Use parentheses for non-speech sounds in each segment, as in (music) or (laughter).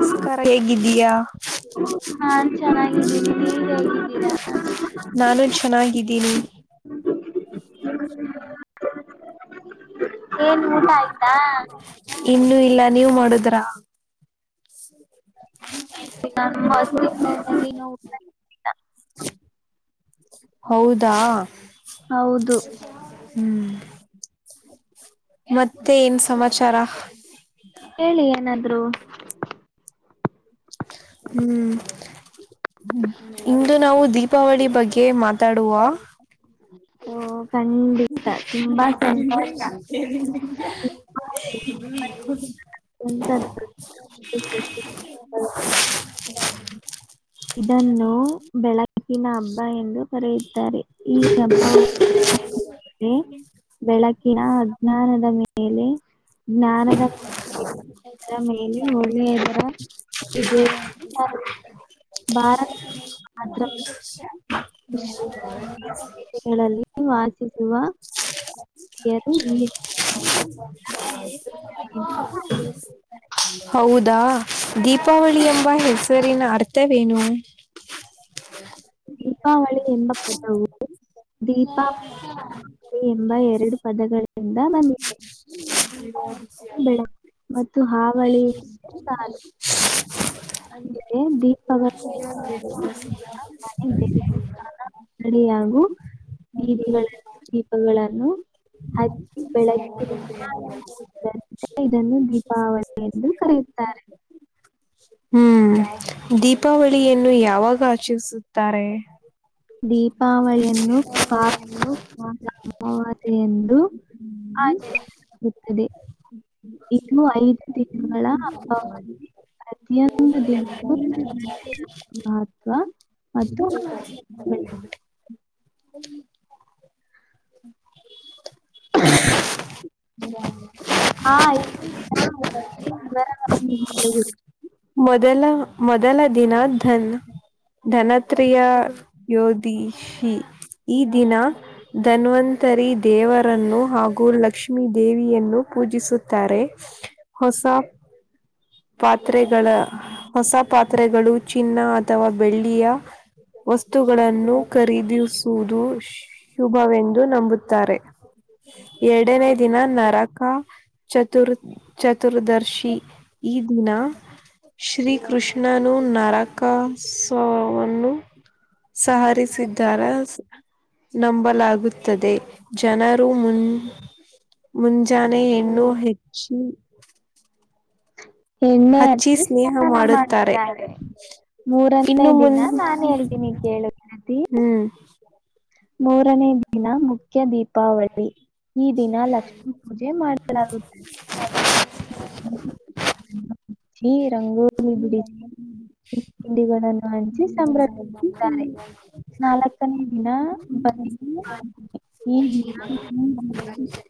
ನಮಸ್ಕಾರ ಹೇಗಿದ್ದೀಯಾ ನಾನ್ ಚೆನ್ನಾಗಿದ್ದೀನಿ ನೀವ ಹೋಗಿದ್ದೀರಾ (inaudible) ನಾನು ಚೆನ್ನಾಗಿದ್ದೀನಿ (inaudible) ಏನ್ ಊಟ ಆಯ್ತಾ (inaudible) ಇನ್ನುೂ ಇಲ್ಲ ನೀವ್ ಮಾಡುದ್ರ (inaudible) ಹ್ಮ (unintelligible) ನ (unintelligible) ಹೌದಾ ಹೌದು ಹ್ಮ್ ಮತ್ತೆ ಏನ್ ಸಮಾಚಾರ ಕೇಳಿ ಏನಾದ್ರು ಹ್ಮ್ ಇಂದು ನಾವು ದೀ ದೀಪಾವಳಿ ಬಗ್ಗೆ ಮಾತಾಡುವ ಓ ಖಂಡಿತ ತುಂಬಾ ಹಪಿ ತಿನ್ ಹ ಸಂತೋಷ ಕ (unintelligible) ಹ (unintelligible) ಎಂತ (unintelligible) (inaudible) ಇದನ್ನು ಬೆಳಕಿನ ಹಬ್ಬ ಎಂದು ಕರೆಯುತ್ತಾರೆ ಈ ಹಬ್ಬ ಬೆಳಕಿನ ಅಜ್ಞಾನದ ಮೇಲೆ ಜ್ಞಾನದ ಮೇಲೆ ಒಳ್ಳೆಯದರ ಇ ನ ಮಾತ್ರ ವಿಶ್ವ (unintelligible) ಗಳಲ್ಲಿ ವಾಸಿಸುವ ಸಿಖ್ಯರು ಈ (inaudible) ಅ ಹೆಸರುಗಳಿವೆ. ಅಪ್ಪ (unintelligible) ಹೌದಾ ದೀಪಾವಳಿ ಎಂಬ ಹೆಸರಿನ ಅರ್ಥವೇನು ದೀಪಾವಳಿ ಎಂಬ ಪದವು ದೀಪ ಹ (unintelligible) ಮತ್ತು ಎಂಬ ಎರಡು ಪದಗಳು ಬೆಳಕು ಹ್ಮ ಮತ್ತು ಹಾವಳಿ ಸಾಲು ಅಂದರೆ ಅ ದೀಪಗಳಿಂದ (unintelligible) ಮನೆ ದೇವಸ್ಥಾನಡ ಹಾಗಾಗು ಬೀದಿ. (unintelligible) ದೀಪಗಳನ್ನು ಹ. ಬೆಳಗ್ಗೆ ಇದನ್ನು ದೀಪಾವಳಿ ಎಂದು ಕರೆಯುತ್ತಾರೆ. ಹ್ಮ್ ದೀಪಾವಳಿಯನ್ನು ಯಾವಾಗ ಆಚರಿಸುತ್ತಾರೆ. ದೀಪ್. ಹ ಹ. (inaudible) ವ ಎಂದು ಆಚರಿಸಲಲಾಗುತ್ತದೆ. ಇನ್ನು ಐದು ತಿಂಗಳು ಹಬ್ಬ ಬಂತು ಪ್ರತಿಯೊಂದು ದಿನಕ್ಕೂ ಮಹತ್ವ ಮತ್ತು. (inaudible) ಹ್ಮ (inaudible) ಹ (inaudible) ಹಾ (unintelligible) ಮೊದಲ ಮೊದಲ ದಿನ ಧನ್ ಧನತ್ರಯ. ಯೋಧಷಿ ಈ ದಿನ ಧನ್ವಂತರಿ. ದೇವರನ್ನು ಹಾಗೂ ಲ ಲಕ್ಷ್ಮೀ ದೇವಿಯನ್ನು ಪೂಜಿಸುತ್ತಾರೆ ಹೊಸ ಪಾತ್ರೆಗಳ ಹೊಸ ಪಾತ್ರೆಗಳು ಚಿನ್ನ ಅಥವಾ ಬೆಳ್ಳಿಯ ವಸ್ತುಗಳನ್ನು ಖರೀದಿಸುವುದು ಶುಭವೆಂದು ನಂಬುತ್ತಾರೆ ಎರಡನೇ ದಿನ ನರಕ ಚತುರ್ ಚತುರ್ದರ್ಶಿ ಈ ದಿನ ಶ್ರೀ ಕೃಷ್ಣ ನಾನು ನರಕಾಸವನ್ನು. ಸಹರಿಸಿದ್ದಾರ. ನಂಬಲಾಗುತ್ತದೆ ಜನರು ಮುನ್. ಮುಂಜಾನೆ ಇನ್ನೂ ಹೆಚ್ಚಿ. ಎಣ್ಣೆ ಹಚ್ಚಿ ಸ್ನೇಹ ಸ್ನಾನ ಮಾಡುತ್ತಾರೆ. ಮಾಡಾರೆ. ಮೂರನೇ ಇನ್ನು ದಿನ ಮುನ್ ನಾನನ್ ಹೇಳ್ತೀನಿ ಕೇಳುವ. ಹ್ಮ್. ಮೂರನೇ ದಿನ ಮುಖ್ಯ ದೀಪಾವಳಿ. ಈ ದಿನ ಲಕ್ಷ್ಮೀ ಪೂಜೆ ಮಾಡಲಾಗುತ್ತದೆ (unintelligible) ಚಿ ರಂಗೋಲಿ ಬಿಡಿಸಿಂಡ ತಿಂಡಿಗಳನ್ನು ಹಂಚಿ ಸಂಭ್ರಮಿಸ. ನಾಲ್ಕನೇ ದಿನ. ಬಲಿ ಹ್ಮ ಪಾಡ್ಯಮಿ. ಹ್ಮ (inaudible)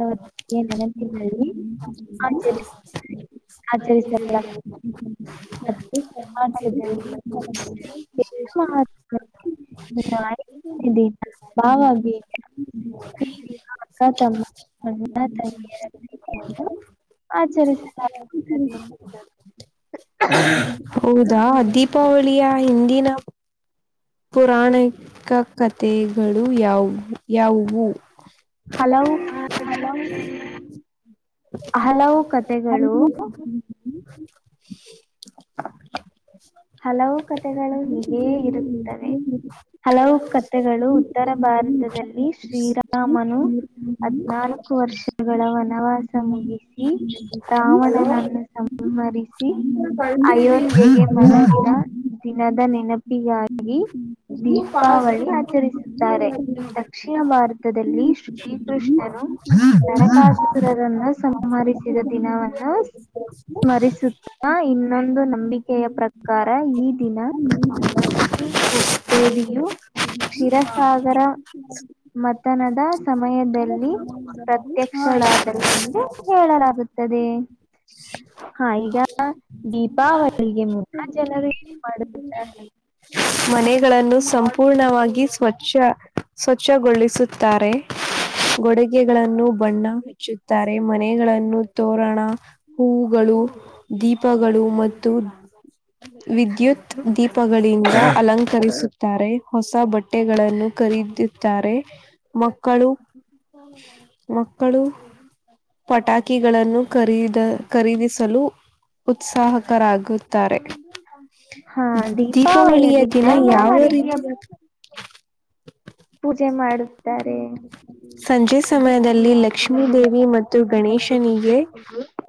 ನ ಏ ನನ ತಿಿನಲ್ಲಿ ಆಚರಿಸ. ಆಚರಿಸಲಾಗುತ್ತದೆ ಆ ಮತ್ತು ಕರ್ನಾಟಕದಲ್ಲಿ (unintelligible) ಮಹಾತ್ಮನ ಬಾವಾಗಿ ಹ್ಮ (unintelligible) ಅಕ್ಕ ತಮ್ಮ ಅಣ್ಣ ತಂಗಿಯ ಆಚರಿಸ (unintelligible) ಹೌದಾ ದೀಪಾವಳಿಯ ಹಿಂದಿನ ಪುರಾಣಿಕ ಕಥೆಗಳು ಯಾವ ಯಾವುವು ಹಲ ಹಲವು ಹ ಕಥೆಗಳು ಹಲವು ಕಥೆಗಳು ಹೀಗೇ ಇರುತ್ತವೆ ಹಲವು ಕಥೆಗಳು ಉತ್ತರ ಭಾರತದಲ್ಲಿ ಶ್ರೀರಾಮನು ಹದ್ನಾಲ್ಕು ವರ್ಷಗಳ ವನವಾಸ ಮುಗಿಸಿ ರಾವಣನನ್ನು ಸ್ಮರಿಸಿ ಅಯೋಧ್ಯೆಗೆ ಮರಳ ದಿನದ ನೆನಪಿಗಾಗಿ ದೀಪಾವಳಿ ಆಚರಿಸುತ್ತಾರೆ ದಕ್ಷಿಣ ಭಾರತದಲ್ಲಿ ಶ್ರೀಕೃಷ್ಣನು ನರಕಾಸುರರನ್ನ ಸಂಹರಿಸಿದ ದಿನವವನ್ನು (inaudible) ಸ್ಮರಿಸುತ್ತಾ ಇನ್ನೊಂದು ನಂಬಿಕೆಯ ಪ್ರ ಕಾರ ಈ ದಿನ ಲಕ್ಷ್ಮೀ ದೇವಿಯು ಹ (unintelligible) ಮತನದ ಸಮಯದಲ್ಲಿ ಪ್ರತ್ಯಕ್ಷಳಾದರಿಂದ ಹೇಳಲಾಗುತ್ತದೆ ಹ ಈಗ ದೀಪಾವಳಿಗೆ ಮು ಅ ಜನರೆ (unintelligible) (unintelligible) ಮನೆಗಳನ್ನು ಸಂಪೂರ್ಣವಾಗಿ ಸ್ವಚ್ಛ ಸ್ವಚ್ಛಗೊಳಿಸುತ್ತಾರೆ ಗೊಡುಗೆಗಳನ್ನು ಬಣ್ಣ ಹಚ್ಚುತ್ತಾರೆ ಮನೆಗಳನ್ನು ತೋರಣ ಹೂವುಗಳು ದೀಪಗಳು ಮತ್ತು ವಿದ್ಯುತ್ ದೀಪಗಳಿಂದ ಅಲಂಕರಿಸುತ್ತಾರೆ ಹೊಸ ಬಟ್ಟೆಗಳನ್ನು ಖರೀದುತ್ತಾರೆ ಮಕ್ಕಳು ಮಕ್ಕಳು ಪಟಾಕಿಗಳನ್ನು ಖರೀದ ಖರೀದಿಸಲು ಉತ್ಸಾಹಕರಾಗುತ್ತಾರೆ ದೀಪಾವಳಿಯ ದೀಪಾವಳಿ ದಿನ ಯಾವ ರೀತಿ ಹಾ (unintelligible) ಸಂಜೆ ಸಮಯದಲ್ಲಿ ಲಕ್ಷ್ಮೀ ದೇವಿ ಮತ್ತು ಗಣೇಶನಿಗೆ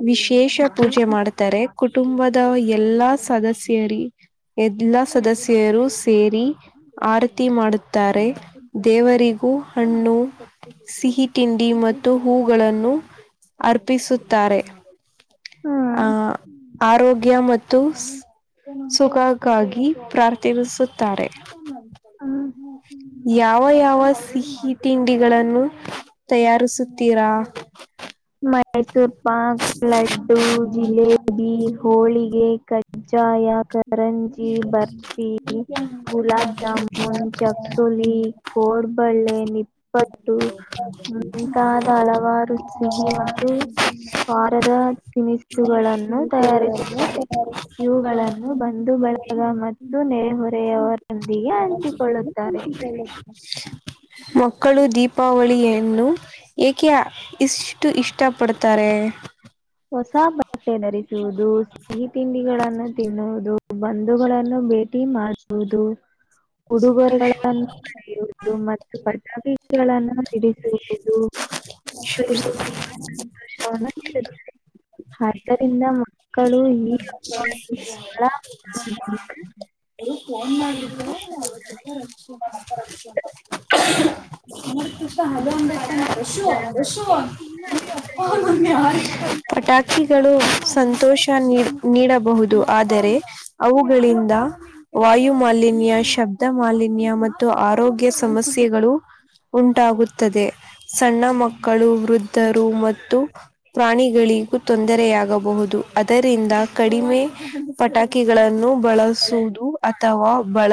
ವಿಶೇಷ ಪೂಜೆ ಮಾಡ ಕುಟುಂಬದ ಎಲ್ಲಾ ಸದಸ್ಯರಿ ಎಲ್ಲಾ ಸದಸ್ಯ ಸೇರು ಸೇರಿ ಆರತಿ ಮಾಡುತ್ತಾರೆ ದೇವರಿಗೂ ಹಣ್ಣು ಸಿಹಿ ತಿಂಡಿ ಮತ್ತು ಹೂಗಳನ್ನು ಅರ್ಪಿಸುತ್ತಾರೆ ಹ್ಮ್ ಆಹ ಆರೋಗ್ಯ ಮತ್ತು ಸುಖಕ್ಕಾಗಿ ಪ್ರಾರ್ಥಿಸುತ್ತಾರೆ ಹಾ ಯಾವ ಯಾವ ಸಿಹಿ ತಿಂಡಿಗಳನ್ನು ತಯಾರಿಸುತ್ತೀರಾ ಮೈಸೂರ್ ಪಾಂಕ್ ಲಡ್ಡು ಜಿಲೇಬಿ ಬಿ ಹೋಳಿಗೆ ಕಜ್ಜಾಯ ಕರಂಜಿ ಬರ್ಫಿ ಗುಲಾಬ್ ಜಾಮೂನ್ ಚಕ್ಕಲಿ ಕೋಡ್ಬಳ್ಳೆ ನಿಪ್ಪಟ್ಟು ಮುಂತಾದ ಹಲವಾರು ಸಿಹಿ ಮತ್ತು ವ್ವಾರದ ಕಿನಿಸ್ತುಗಳನ್ನು ತಯಾರಿಸುತ್ತಾರೆ ಇವುಗಳನ್ನು ಬಂದು ಬಳಗ ಮತ್ತು ನೆರೆಹೊರೆಯವರೊಂದಿಗೆ ಹಂಚಿಕೊಳ್ಳುತ್ತಾರೆ ಮಕ್ಕಳು ದೀಪಾವಳಿಯನ್ನು ಏಕೆ ಇಷ್ಟು ಇಷ್ಟಪಡ್ತಾರೆ ಹೊಸ ಬಟ್ಟೆ ಧರಿಸುವುದು ಸಿಹಿ ತಿಂಡಿಗಳಗಳನ್ನು ತಿನ್ನುವುದು ಬಂಧುಗಳನ್ನು ಭೇಟಿ ಮಾಡುವುದು ಉಡುಗೊರೆಗಳನ್ನು ಯುದು ಮತ್ತು ಬದ ಬೀಜಗಳನ್ನು ಸಿಡಿಸುವುದು ಶುರ್ ಸ (unintelligible) ಹ (unintelligible) ಆದ್ದರಿಂದ ಮಕ್ಕಳು ಈ (inaudible) ಅವರು ಫೋನ್ ಮಾಡಿದ್ರು ಅವ ಹತ ಹಶು ಹಶು (unintelligible) ಪಟಾಕಿಗಳು ಸಂತೋಷ ನೀಡಬಹುದು ಆದರೆ ಅವುಗಳಿಂದ ವಾಯು ಮಾಲಿನ್ಯ ಶಬ್ದ ಮಾಲಿನ್ಯ ಮತ್ತು ಆರೋಗ್ಯ ಸಮಸ್ಯೆಗಳು ಉಂಟಾಗುತ್ತದೆ ಸಣ್ಣ ಮಕ್ಕಳು ವೃದ್ಧರು ಮತ್ತು ಪ್ರಾಣಿಗಳಿಗೂ ತೊಂದರೆಯಾಗಬಹುದು ಅದರಿಂದ ಕಡಿಮೆ ಪಟಾಕಿಗಳನ್ನು ಬಳಸುವುದು ಅಥವಾ ಬಳ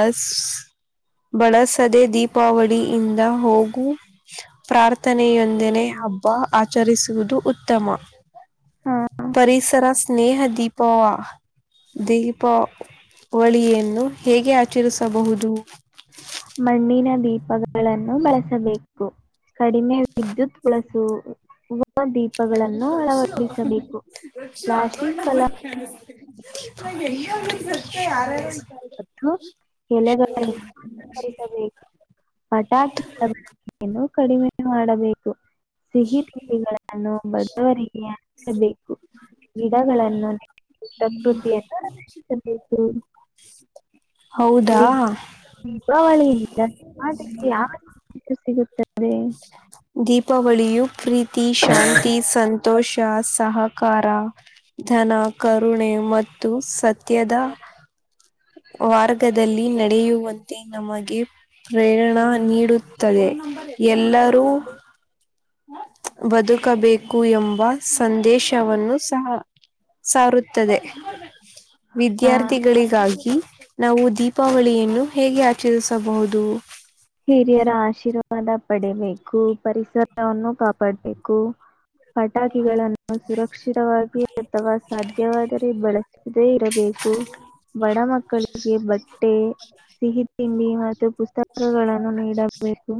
ಬಳಸದೆ ದೀಪಾವಳಿಯಿಂದ ಹೋಗು ಪ್ರಾರ್ಥನೆಯೊಂದನೆ ಹಬ್ಬ ಆಚರಿಸುವುದು ಉತ್ತಮ ಆ, ಪರಿಸರ ಸ್ನೇಹ ದೀಪ ದೀಪಾವಳಿಯನ್ನು ಹೇಗೆ ಆ ಚರಿಸಬಹುದು ಮಣ್ಣಿನ ದೀಪಗಳನ್ನು ಬಳಸಬೇಕು ಕಡಿಮೆ ವಿದ್ಯುತ್ ಬ್ಳಸು ದೀಪಗಳನ್ನು ಅಳವಡಿಸಬೇಕು ಪ್ಲಾಸ್ಟಿಕ್ಲ ನ ಎಲ್ಲ ಒ ಬರ್ತ್ತೆ ಯಾರ (unintelligible) ಮತ್ತು ಎಲೆಗಡೆರಿಸಬೇಕು ಪಟಾಕಿ ಮಾಡಬೇಕ (unintelligible) ಏನ ಕಡಿಮೆ ಮಾಡಬೇಕು ಸಿಹಿ ತಿಂಡಿಗಳನ್ನು ಬಡವರಿಗೆ ಹಚಬೇಕು ಗಿಡಗಳನ್ನು ನ ಪ್ರಕೃತಿಯನ್ನುಬೇಕು ಹೌದಾ ದೀಪಾವಳಿಯಲ್ಲಕ್ಕೆ ಯಾವ ಸಂತೇಶ ಸಿಗುತ್ತದೆ (unintelligible) ದೀಪಾವಳಿಯು ಪ್ರೀತಿ ಶಾಂತಿ ಸಂತೋಷ ಸಹಕಾರ ಧನ ಕರುಣೆ ಮತ್ತು ಸತ್ಯದ ವಾರ್ಗದಲ್ಲಿ ನಡೆಯುವಂತೆ ನಮಗೆ ಪ್ರೇರಣ ನೀಡುತ್ತದೆ ಎಲ್ಲರೂ ಬದುಕಬೇಕು ಎಂಬ ಸಂದೇಶವನ್ನು ಸಹ ಸಾರುತ್ತದೆ ಆ, ವಿದ್ಯಾರ್ಥಿಗಳಿಗಾಗಿ ನಾವು ದೀಪಾವಳಿಯನ್ನು ಹೇಗೆ ಆಚರಿಸಬಹುದು ಹಿರಿಯರ ಆಶೀರ್ವಾದ ಪಡಿಬೇಕು ಪರಿಸರವನ್ನು ಕಾಪಾಡ್ಬೇಕು ಪಟಾಕಿಗಳನ್ನು ಸುರಕ್ಷಿತವಾಗಿ ಅಥವಾ ಸಾಧ್ಯವಾದರೆ ಬಳಸ ಅದೇ ಇರಬೇಕು ಬಡ ಮಕ್ಕಳಿಗೆ ಬಟ್ಟೆ ಸಿಹಿ ತಿಂಬಿ ಮತ್ತು ಪುಸ್ತಕ ಗಳನ್ನು ನೀಡಬೇಕು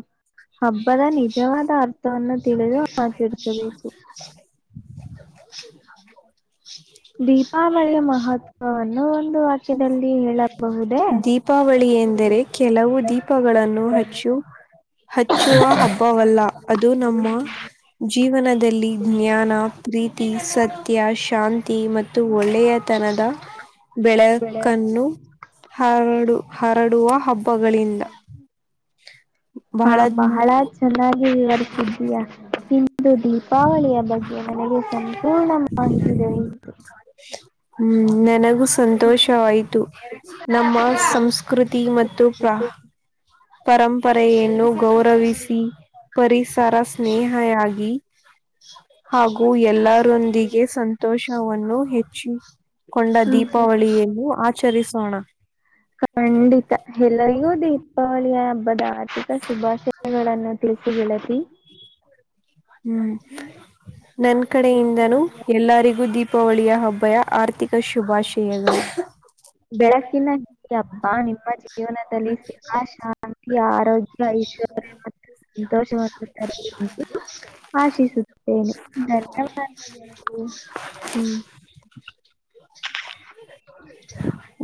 ಹಬ್ಬದ ನಿಜವಾದ ಅರ್ಥವನ್ನ ತಿಳಿದು ಮಾತಡಿಸಬೇಕು (unintelligible) (unintelligible) ದೀಪಾವಳಿಯ ಮಹತ್ವವನ್ನು ಒಂದು ವಾಕ್ಯದಲ್ಲಿ ಹೇಳ ದೀಪಾವಳಿ ಎಂದರೆ ಕೆಲವು ದೀಪಗಳನ್ನು ಹಚ್ಚು ಹಚ್ಚುವ ಹಬ್ಬವಲ್ಲ ಅದು ನಮ್ಮ ಜೀವನದಲ್ಲಿ ಜ್ಞಾನ ಪ್ರೀತಿ ಸತ್ಯ ಶಾಂತಿ ಮತ್ತು ಮತ್ತು ಒಳ್ಳೆಯ ತನದ ಬೆಳೆ ಬೆಳಕನ್ನು ಹರಡು ಹರಡುವ ಹಬ್ಬಗಳಿಂದ ಹಾ ಬಹಳ ಚೆನ್ನಾಗಿ ವಿವರ್ತಿದ್ದೀಯಾ ತಿಂದು ದೀ ದೀಪಾವಳಿಯ ಬಗ್ಗೆ ನನಗೆ ಸಂಪೂರ್ಣ ಮಾಹಿತಿ ದೊರೆಯಿತು ಹ್ಮ್ ನನಗೂ ಸಂತೋಷವಾಯ್ತು ನಮ್ಮ ಸಂಸ್ ಕೃತಿ ಮತ್ತು ಪ್ರಾ ಪರಂಪರೆಯನ್ನು ಗೌರವಿಸಿ ಪರಿಸರ ಸ್ನೇಹಯಾಗಿ ಹಾಗೂ ಎಲ್ಲರೊಂದಿಗೆ ಸಂತೋಷವನ್ನು ಹೆಚ್ಚಿ ಕೊಂಡ ದೀಪಾವಳಿಯನ್ನು ಆಚರಿಸೋಣ ಖಂಡಿತ ಎಲ್ಲರಿಗೂ ದೀಪಾವಳಿಯ ಹಬ್ಬದ ಆರ್ಥಿಕ ಶುಭಾಶಯಗಳನ್ನು ಪ್ರೀತಿ ಗೆಳತಿ ಹ್ಮ್ ನನ್ ಕಡೆಯಿಂದನು ಎಲ್ಲರಿಗೂ ದೀಪಾವಳಿಯ ಹಬ್ಬಯ ಆರ್ಥಿಕ ಶುಭಾಶಯ ಬೆಳಕಿನ ಈ ಹಬ್ಬ ನಿಮ್ಮ ಜೀವನದಲ್ಲಿ ಸುಖ ಶಾಂತಿ ಆರೋಗ್ಯ ಐಶ್ವರ್ಯ ಮ (inaudible) ಆಶಿಸುತ್ತೇನೆ ಧನ್ಯವಾದಗಳು ಹ್ಮ್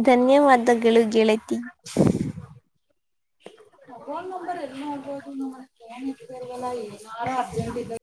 ಧನ್ಯವಾದಗಳು ಗೆತಿ ಹಬಲ್ ನಂಬರ್ (unintelligible) ಫೋನ್ ಇರ್ರ್ವಲ್ಲ ಏನಾರ ಅರ್ಜೆಂಟ್ ಇದ